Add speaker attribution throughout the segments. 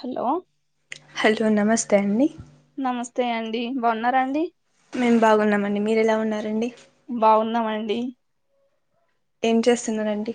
Speaker 1: Hello
Speaker 2: hello నమస్తే అండి
Speaker 1: నమస్తే అండి బాగున్నార అండి
Speaker 2: మేము బాగున్నామండి మీరు ఎలా ఉన్నారండి
Speaker 1: బాగున్నామండి
Speaker 2: ఏం చేస్తున్న రండి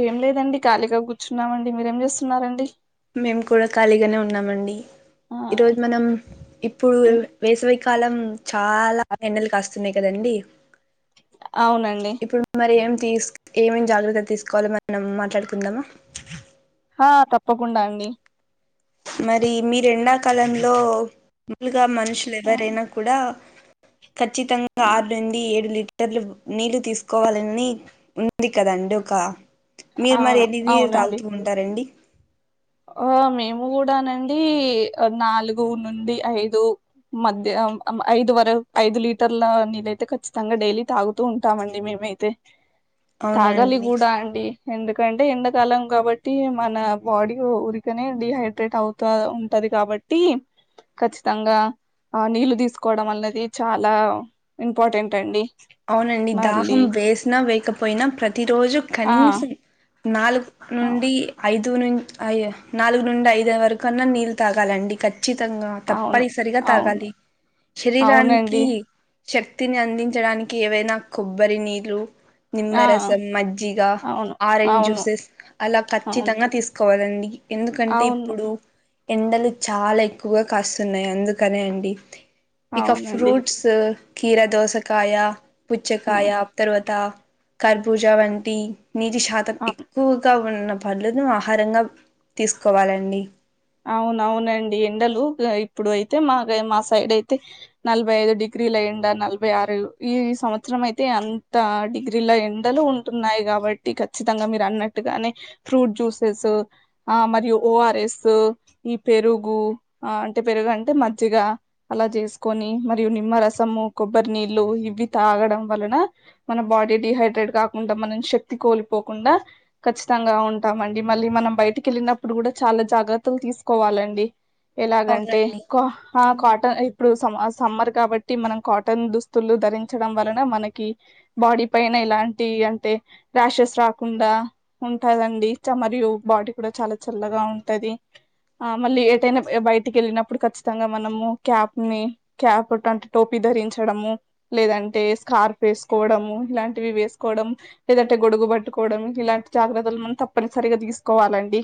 Speaker 1: ఏం లేదండి ఖాళీగా కూర్చున్నామండి మీరేం చేస్తున్నారండి
Speaker 2: మేము కూడా ఖాళీగానే ఉన్నామండి
Speaker 1: ఆ
Speaker 2: ఈరోజు మనం ఇప్పుడు
Speaker 1: ఉమ్,
Speaker 2: వేసవికాలం చాలా ఎన్డలు కాస్తున్నాయి కదండి
Speaker 1: అవునండి
Speaker 2: ఇప్పుడు మరి ఏం తీ ఏమేం జాగ్రత్త తీసుకోవలో మనం మాట్లాడుకుందామా
Speaker 1: ఆ తప్పకుండా అండి
Speaker 2: మరి మీ రెండాకాలంలో మాలుగా మనుషులు
Speaker 1: ఆ,
Speaker 2: ఎవరైనా కూడా ఖచ్చితంగా
Speaker 1: ఉమ్,
Speaker 2: ఆరు నుండి ఏడు లీట్ ర్లు నీళ్లు తీసుకోవాలని ఉంది కదండి ఒక మీరు మరి
Speaker 1: అవును
Speaker 2: ఎదిది
Speaker 1: అవునండి
Speaker 2: తాగుతూ ఉంటారండి
Speaker 1: ఆ మేము కూడానండి నాలుగు నుండి ఐదు మధ్య ఐదు వర ఐదు లీటర్ల నీళ్ళయితే ఖచ్చితంగా డైలీ తాగుతూ ఉంటామండి మేమైతే తాగాలి
Speaker 2: అవునండి
Speaker 1: కూడా అండి ఎందుకంటే ఎండాకాలం కాబట్టి మన బాడీ ఊరికినే డీహైడ్రేట్ అవుతా ఉంటది కాబట్టి ఖచ్చితంగా ఆ నీళ్ళు తీసుకోవడం అనేది చాలా ఇంపార్టెంట్ అండి
Speaker 2: అవునండి దాహం
Speaker 1: మళ్ళీ
Speaker 2: వేసినా వేయకపోయినా ప్రతిరోజు
Speaker 1: ఆ
Speaker 2: కనీసం నాలుగు
Speaker 1: అవును
Speaker 2: నుండి ఐదు ను ఐ నాలుగు నుండి ఐదు వరకున్నా నీళ్ళు తాగాలండి ఖచ్చితంగా
Speaker 1: అవును
Speaker 2: తప్పనిసరిగా
Speaker 1: అవును
Speaker 2: తాగాలి
Speaker 1: అవునండి
Speaker 2: శరీరానికి శక్తిని అందించడానికి ఏవైనా కొబ్బరి నీళ్ళు
Speaker 1: ఆ
Speaker 2: నిమ్మరసం మజ్జిగ
Speaker 1: అవును
Speaker 2: ఆరెంజ్
Speaker 1: అవును
Speaker 2: జ్యూసెస్ అలా
Speaker 1: అవును
Speaker 2: ఖచ్చితంగా తీసుకోవాలండి ఎందుకంటే
Speaker 1: అవును
Speaker 2: ఇప్పుడు ఎండలు చాలా ఎక్కువగా కాస్తున్నాయి అందుకనే అండి ఇక
Speaker 1: అవునండి
Speaker 2: ఫ్రూట్స్ కి ఖీరాదోసకాయ పుచ్చకాయ
Speaker 1: ఉమ్,
Speaker 2: తరువాత కర్పూజ వంటి నీటి శాతం ఎక్కువగా ఉన్నప్పు పళ్ళను ఆహారంగా తీసుకోవాలండి
Speaker 1: అవునవునండి ఎండలు ఇప్పుడు అయితే మాగా మా సైడ్ అయితే నలభై ఐదు డిగ్రీల ఎండ నలభై ఆరు ఈ సంవత్సరం అయితే అంత డిగ్రీల ఎండలు ఉ ఉంటున్నాయి కాబట్టి ఖచ్చితంగా మీరు అన్నట్టుగానే ఫ్రూట్ జ్యూసెస్ ఆ మరియు ఓఆర్ఎస్ ఈ పెరుగు ఆ అంటే పెరుగు అంటే మజ్జిగ అలా చేసుకొని మరియు నిమ్మరసము కొబ్బరి నీళ్ళు ఇవి తాగడం వలన మన బాడీ డిహైడ్రేట్ కాకుండా మనం శక్తి కోల్పోకుండా ఖచ్చితంగా ఉంటాం అండి మళ్ళీ మనం బయటకి వెళ్ళినప్పుడు కూడా చాలా జాగ్రత్త తులు తీసుకోవాలండి ఎలాగంటే
Speaker 2: అవునండి
Speaker 1: కా ఆ కాటన్ ఇప్పుడు స సమ్మర్ కాబట్టి మనం కాటన్ దుస్తులు ధరించడం వలన మనకి బాడీ పైన ఎలాంటి అంటే ర్యాషెస్ రాకుండా ఉంటదండి మరియు బాడీ కూడా చాలా చల్లగా ఉంటది ఆ మళ్ళీ ఏటైనా బయటికి వెళ్ళినప్పుడు ఖచ్చితంగా మనము క్యాప్ ని క్యాప్ట్ అంటే టోపీ ధరించడము లేదంటే స్కార్ప్ వేసుకోవడం ఇలాంటివి వేసుకోవడం లేదంటే గొడుగు పట్టుకోవడం ఇలాంటి జాగ్రత్తలు మనం తప్పనిసరిగా తీసుకోవాలండి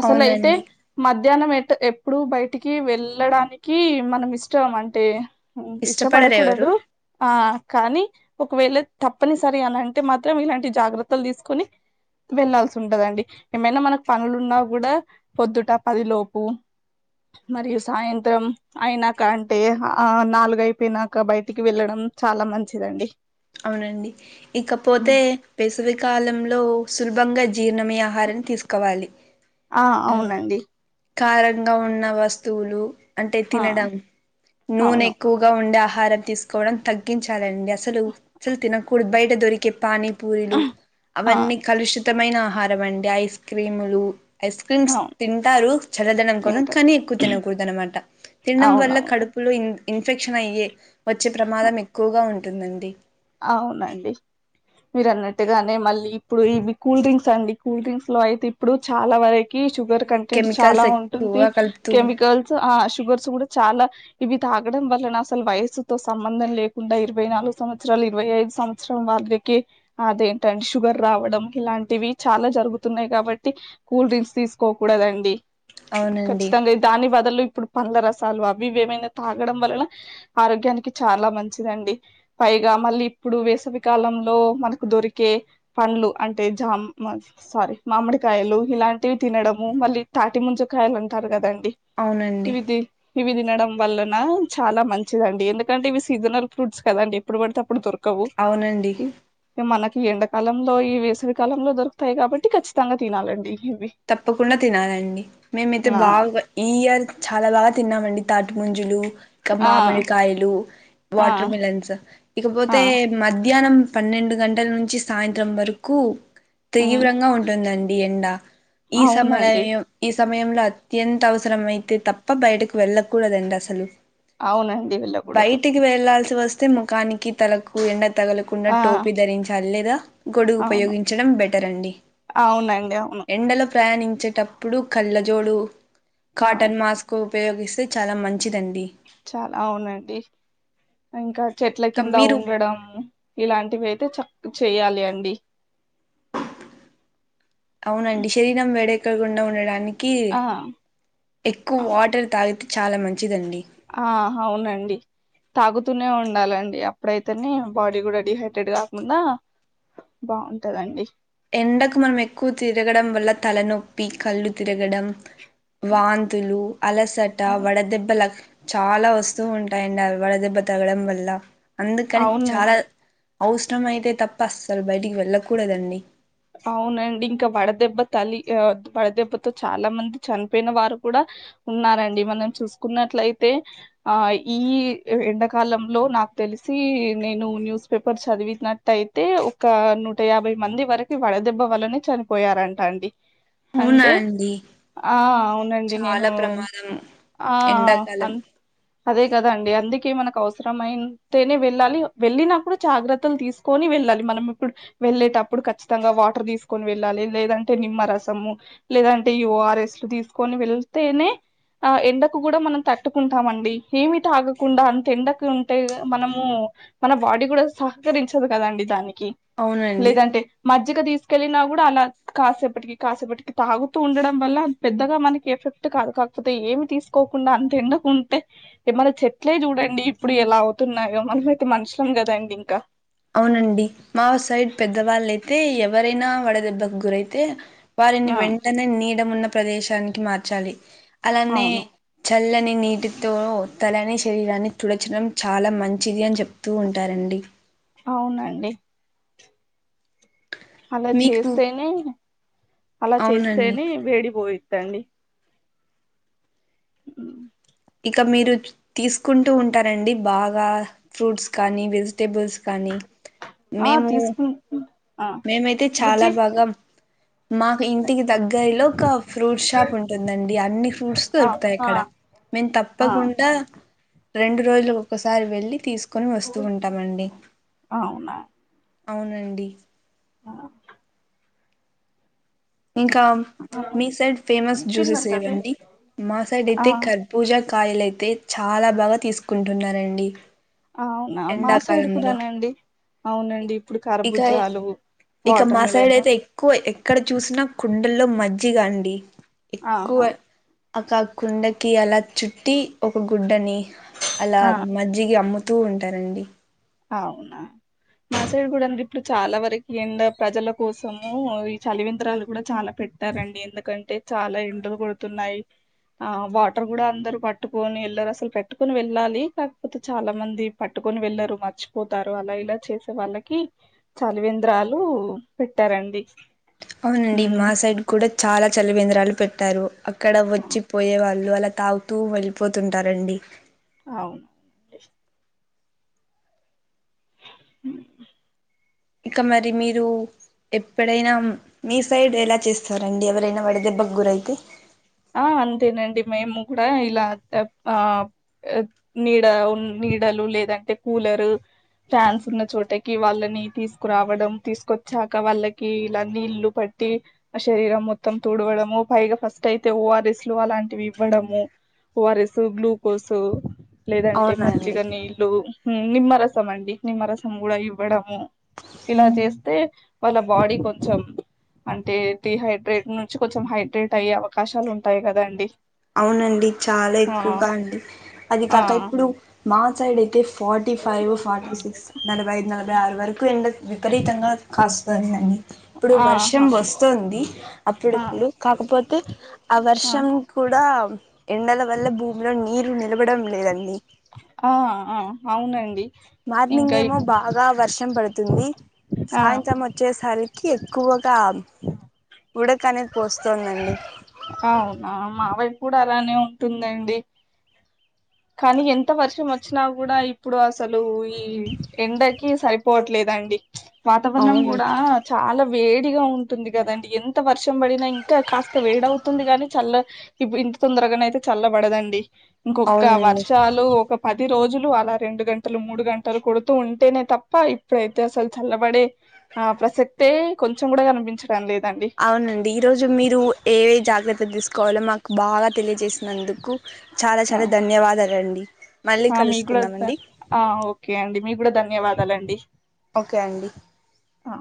Speaker 1: అసలై
Speaker 2: అవునండి
Speaker 1: మధ్యాహ్నం ఎట్ ఎప్పుడు బయటికి వెళ్ళడానికి మనం ఇష్టం అంటే
Speaker 2: ఇష్టపడరెవరు
Speaker 1: ఇష్టపడకూడదు ఆ కానీ ఒకవేళ తప్పనిసరి అని అంటే మాత్రం ఇలాంటి జాగ్రత్తలు తీసుకుని వెళ్లాల్సి ఉంటదండి ఏమైనా మనకు పనులు ఉన్నా కూడా పొద్దుట పదిలోపు మరియు సాయంత్రం అయినాక అంటే ఆ నాలుగయిపోయినాక బయటికి వెళ్ళడం చాలా మంచిదండి
Speaker 2: అవునండి ఇకపోతే వేసవికాలంలో సులభంగా జీర్ణమయ్యే ఆహారం తీసుకోవాలి
Speaker 1: ఆ అవునండి
Speaker 2: కారంగా ఉన్న వస్తువులు అంటే
Speaker 1: ఆ
Speaker 2: తినడం నూనె
Speaker 1: అవును
Speaker 2: ఎక్కు వగా ఉండే ఆహారం తీసుకోవడం తగ్గించాలండి అసలు న కూ బయట దొరికే పానీ పూరిలు
Speaker 1: ఆ
Speaker 2: అవన్నీ కలుషి తమైన ఆహారం అండి ఐస్ క్రీములు ఐస్ క్రీమ్స్
Speaker 1: అవును
Speaker 2: తింటారు చల్లదనం కోసం
Speaker 1: తింటారు
Speaker 2: కానీ ఎక్కువ్ తినకూడదనమాట తిండం వల్ల
Speaker 1: అవునవును
Speaker 2: కడుపులో ఇన్ ఇన్ఫెక్షన్ అయ్యే వచ్చే ప్రమాదం ఎక్కువగా ఉంటుందండి
Speaker 1: అవునండి మీరు అన్నట్టుగానే మళ్ళీ ఇప్పుడు ఇవి కూల్ డ్రింక్స్ అండి కూల్ డ్రింక్స్ లో అయితే ఇప్పుడు చాలా వర కి షుగర్
Speaker 2: అన్ని
Speaker 1: కంటెంట్ చాలా
Speaker 2: కెమికల్స్
Speaker 1: ఉంటుంది
Speaker 2: ఎక్కువగా కలుపుతూ
Speaker 1: కెమికల్సు ఆ షుగర్స్ గుడా చాలా ఇవి తాగడం వలన అసల్ వయసుతో సంబంధం లేకుండా ఇరవై నాలుగ్ సంవ చ్చరాల్ ఇరవై ఐదు సంవచ్చరం వాళ్ళికి అదేంటండి షుగర్ రావడం ఇలాంటివి చాలా జరుగుతున్నాయ్ కాబట్టి కూల్ డ్రింక్స్ తీస్కోకూడదండి
Speaker 2: అవునండి
Speaker 1: ఖచ్చితంగిద్ దాని వదలు ఇప్పుడు పండ్ల రసాలు అవి ఇవ్వి ఏమైనా తాగడం వలన ఆరోగ్యానికి చాలా మంచిదండి పైగా మళ్ళీ ఇప్పుడు వేసవికాలంలో మనకు దొరికే పండ్లు అంటే జామ్ మ సారీ మామిడికాయలు ఇలాంటివి తినడము మళ్ళీ తాటి ముంజ కాయ్లంటారు గదండి
Speaker 2: అవునండి
Speaker 1: ఇవి ది హివి దినడం వల్లన చాలా మంచిదండి ఎందుకంటే ఇవి సీజనల్ ఫ్రూట్స్ కదండి ఎప్పుడు వడితే అప్పుడు దొరకవు
Speaker 2: అవునండి
Speaker 1: ఇన్ గ మనకి ఇవి ఎండకాలంలో ఈ వేసవి కాలంలో దొరుక్తాయ్ గాబట్టి ఖచ్తంగ తినాలండి ఇవి
Speaker 2: తప్పకుండా తినాలండి మేమైతే
Speaker 1: ఆ
Speaker 2: బాగ ఈ ఇయర్ చాలా లాగ తిన్నామండి తాటిముంజులు కా
Speaker 1: ఆ
Speaker 2: మామిడికాయలు
Speaker 1: ఆ
Speaker 2: వాట్ర్ మిలన్సు
Speaker 1: ఆ
Speaker 2: ఇకబోతే మధ్యానం పన్నెండు గంటల్ నుంచి సాయంత్రం వరకూ
Speaker 1: ఉమ్
Speaker 2: తీవ్రంగా ఉంటుందండి ఎండ ఈ
Speaker 1: అవునండి
Speaker 2: సమలాయం ఈ సమయంలో అత్యంత అవసరం అయితే తప్ప బయటకు వెళ్ళకూడదండి అసలు
Speaker 1: అవునండి వెళ్ళ కూడదు
Speaker 2: కి వెళ్లాల్సి వస్తే ముఖానికి తలకు ఎండ తగలకుండా
Speaker 1: ఆ
Speaker 2: టోపీ ధరించాల్ లేదా గొడుగు
Speaker 1: అవును
Speaker 2: ఉపయోగించడం బెటరండి
Speaker 1: అవునండి అవును
Speaker 2: ఎండలో ప్రయాణించేటప్పుడు కళ్ళజోడు
Speaker 1: అవును
Speaker 2: కాటన్ మాస్ కు ఉపయోగిస్తే చాలా మంచిదండి
Speaker 1: చాల అవునండి ఇంకా చెట్ల
Speaker 2: ఇంకా
Speaker 1: కింద
Speaker 2: మీరు
Speaker 1: ఉండడము ఇలాంటివైతే చక్ చేయాలి అండి
Speaker 2: అవునండి శరీరం వేడెక్కకుండా ఉండడానికి
Speaker 1: ఆ
Speaker 2: ఎక్కువ్
Speaker 1: అవు
Speaker 2: వాటర్ తాగితె చాలా మంచిదండి
Speaker 1: ఆ హవునండి తాగుతూనే ఉండాలండి అప్డైతేనే బాడీ గుడ డి హైడ్రేట్ గాక్ముండా బావుంటదండి
Speaker 2: ఎండకు మనం ఎక్కువ తిరగడం వల్ల తలనొప్పి కళ్ళు తిరగడం వాంతులు అలసట
Speaker 1: అవును
Speaker 2: వడదెబ్బల చాలా వస్తూ ఉంటాయండి అవ్వి వడ దెబ్బ తగడం వల్ల అందుకని చాల
Speaker 1: అవునండి
Speaker 2: అవస్రమైతే తప్ప అస్సల్ బయటిగ్ వెళ్ళకూడదండి
Speaker 1: అవునండి ఇంకా వడదెబ్బ తల్లి ఆ వడదెబ్బతో చాలా మంది చన్పోయిన వారు కూడ ఉన్నారండి మనం చూస్కున్నట్లైతే ఆ ఈ ఎండాకాలంలో నాక్ తెలిసి నేను న్యూస్ పేపర్ చదివిట్నట్ టైతే ఒక నూట యాభై మంది వరకు వడదెబ్బ వలనే చనిపోయారంట అండి
Speaker 2: అవునా
Speaker 1: అంటే
Speaker 2: అండి
Speaker 1: ఆ అవునండి నేను
Speaker 2: చాలా ప్రమాదం
Speaker 1: ఆ
Speaker 2: ఎండాకాలం
Speaker 1: అం అదే కదా అండి అందుకే మనకు అవసరమయితేనే వెళ్ళాలి వెళ్ళినప్పుడు జాగ్రత్తలు తీసు కోని వెళ్ళాలి మనం ఇప్పుడు వెళ్ళేటప్పుడు ఖచ్చి తంగా వాటర్ తీసుకొని వెళ్ళాలి లేదంటే నిమ్మరసము లేదంటే ఈ ఓఆర్ఎస్ తీసుకొని వెళ్తేనే ఆ ఎండకు కూడా మనం తట్టుకుంటామండి ఏమి తాగకుండా అంత ఎండకు ఉంటే మనము మన బాడీ కూడా సహకరించదు కదండి దానికి
Speaker 2: అవునండి
Speaker 1: లేదంటే మజ్జిగ తీసుకెళ్ళినా కూడా అలా కాసేపటికి కాసేపటికి తాగుతూ ఉండడం వల్ల పెద్దగా మనకి ఎఫెక్ట్ కాదు కా కపోతే ఏమి తీసుకోకుండా అంత ఎండకుంటే ఏ మన చెట్లే చూడండి ఇప్పుడు ఎలా అవుతున్నాయో మనమయితే మనుషులం కదండి ఇంకా
Speaker 2: అవునండి మా సైడ్ పెద్దవాళ్ళయితే ఎవరైనా వడదెబ్బకు గురైతే వారిని
Speaker 1: ఆ
Speaker 2: వెంటనే నీడమున్న ప్రదేశానికి మార్చాలి అలానే
Speaker 1: అవును
Speaker 2: చల్లని నీటితో తలని శరీరాన్ని తుడచడం చాలా మంచిది అని చెప్ తు ఉంటారండి
Speaker 1: అవునండి అలా
Speaker 2: మీకు
Speaker 1: చేస్తేనే అలా
Speaker 2: అవునండి
Speaker 1: చేస్తేనే వేడి పోయిద్దండి
Speaker 2: ఇక మీరు తీసుకుంటూ ఉంటారండి బాగా ఫ్రూట్స్ కానీ వెజిటేబుల్స్ కానీ
Speaker 1: ఆ
Speaker 2: మేము
Speaker 1: తీసుకు ఆ
Speaker 2: మేమైతే
Speaker 1: తీసుకుంటు
Speaker 2: చాలా
Speaker 1: బుజ్జి
Speaker 2: బాగా మాకు ఇంటికి దగ్గరలో ఒక ఫ్రూట్ షాప్ ఉంటుందండి అన్ని ఫ్రూట్స్
Speaker 1: ఆ
Speaker 2: దొరుకుతాయి
Speaker 1: ఆ
Speaker 2: అక్కడ మేం
Speaker 1: ఆ
Speaker 2: తప్పకుండా రెండు రోజులకు ఒకసారి వెళ్ళి తీసుకొని వస్తూ ఉంటామండి అవునండి
Speaker 1: ఆ
Speaker 2: ఇంకా మీ సైడ్ ఫేమస్ జ్యూసెస్
Speaker 1: తిన్నత్త తి
Speaker 2: ఏవండి మా సైడ్ అయితే
Speaker 1: ఆ
Speaker 2: కర్ పూజా కాయలు అయితే చాలా బాగా తీసుకుంటున్నారండి
Speaker 1: అవునా మా సైడ్
Speaker 2: ఎండాకాలంలో.
Speaker 1: కూడానండి
Speaker 2: ఇ
Speaker 1: అవునండి ఇప్పుడు
Speaker 2: ఇక
Speaker 1: కరబుజాలు
Speaker 2: ఇక మా
Speaker 1: వాటర్
Speaker 2: సైడ్
Speaker 1: మిలన్
Speaker 2: అయితే ఎక్కువ ఎక్కడ చూసినా కుండల్లో మజ్జిగ అండి ఎక్కువ
Speaker 1: ఆహా
Speaker 2: అ కుండకి అలా చుట్టి ఒక గుడ్డని అలా
Speaker 1: ఆ!
Speaker 2: మజ్జిగ అమ్ము తూ ఉంటారండి
Speaker 1: అవునా మా సైడ్ కూడా అండి ఇప్పుడు చాలా వరకి ఎండ ప్రజల కోసము ఈ చలి వేంద్రాలు కూడా చాలా పెట్ట టారండి ఎందుకంటే చాలా ఎండలు కొడుతున్నాయి ఆ వాటర్ కూడా అందరూ పట్టుకొని ఎల్లరు అసలు పెట్టుకొని వెళ్ళాలి కాకపోతే చాలా మంది పట్టుకొని వెళ్ళరు మా మర్చిపోతారు అలా ఇలా చేసే వాళ్ళకి చలివేంద్రాలు పెట్టారండి
Speaker 2: అవునండి
Speaker 1: ఉమ్
Speaker 2: మా సైడ్ కూడా చాలా చలివేంద్రాలు పెట్టారు అక్కడ వచ్చి
Speaker 1: అవును
Speaker 2: పోయే వాళ్ళు అలా తాగుతూ వెళ్ళిపోతుంటారండి
Speaker 1: అవును హ్మ్.
Speaker 2: ఇక మరి మీరు ఎప్పుడైనా మీ సైడ్ ఎలా చేస్తారండి ఎవరైనా వడిదెబ్బకు గురైతే
Speaker 1: ఆ అంతేనండి మేము కూడా ఇలా ఆ నీడ నీడలు లేదంటే కూలరు ఫ్యాన్స్ ఉన్న చోటకి వాళ్ళని తీసుకురావడం తీసుకొచ్చాక వాళ్ళకి ఇలా నీళ్లు పట్టి ఆ శరీరం మొత్తం తుడవడము పైగా ఫస్ట్ అయి తే ఓ ఆర్ ఎస్ లు అలాంటివి ఇవ్వడము ఓ ఆర్ ఎస్ గ్లూకోస్ లేదంటే
Speaker 2: అవునా అండి
Speaker 1: మజ్జిగా నీళ్లు ఉమ్ నిమ్మరసం అండి నిమ్మరసం గుడా ఇవ ఇవ్వడము ఇలా చేస్తే వాళ్ళ బాడీ కొంచం అంటే డిహైడ్రేట్ నుంచి కొంచం హైడ్రేట్ అయ్య కాశాలు ఉంటై కదాండి
Speaker 2: అవునండి చాలా ఎక్కుగా అండి అది
Speaker 1: ఆ
Speaker 2: కాక ఇప్పుడు మా సైడ్ అయితే ఫోటీ ఫైవ్ ఫాటి సిక్స్ నలభై ఐదు నలభై ఆరు వర్కు ఎండ విపరీతంగా కాస్తుఅన్ అండి ఇప్పుడు వర్షం
Speaker 1: ఆహా
Speaker 2: వస్తుంది
Speaker 1: ఆ
Speaker 2: అప్పుడుప్పుడు కాకపోతే ఆ వర్షం కూడా ఎండల వల్ల భూమిలో నీరు నిలవడం లేదండి.
Speaker 1: ఆ ఆ అవునండి.
Speaker 2: మార్నింగ్
Speaker 1: ఇంకా
Speaker 2: ఏమో
Speaker 1: ఇప్
Speaker 2: బాగా వర్షం పడుతుంది
Speaker 1: ఆ
Speaker 2: సాయంత్రం ఒచ్చేసారి కి ఎక్కువగా ఉడక అనేది పోస్తోదండి.
Speaker 1: అవునా మా వైపు కూడా అలానే ఉంటుందండి. కానీ ఎంత వర్షం ఒచ్చినా గూడా ఇప్పుడు అసలు ఈ ఎండకి సరిపోవట్లేదండి వాతావర్ణం
Speaker 2: అవును
Speaker 1: గూడా చాలా వేడిగా ఉంటుంది గదండి ఎంత వర్షం బడినా ఇంకా కాస్త వేడవ్తుంది గాని చల్ల ఇప్పుడు ఇంత తొందర్గానైతే చల్లబడదండి ఇంకొక
Speaker 2: అవునండి
Speaker 1: వర్షాలు ఒక పది రోజులు అలా రెండు గంటలు మూడు గంటలు కొడుతూ ఉంటేనే తప్ప ఇప్పుడైతే అసలు చల్లబడే ఆ ప్రసక్తే కొంచం గూడా కన్పించడం లేదండి.
Speaker 2: అవునండి ఈరోజు మీరు ఏ వై జాగ్రత్త దిస్కోవాలో మాకు బాగా తెలియజేసినందుకు చాలా
Speaker 1: ఆ
Speaker 2: చాలా ధన్యవాదాలండి మళ్ళీ
Speaker 1: ఆ, మీకు కూడా ధ-
Speaker 2: కలుసుకుందామండి
Speaker 1: ఆ ఓకే అండి మీ గూడా ధన్యవాదాలండి.
Speaker 2: ఓకే అండి
Speaker 1: అ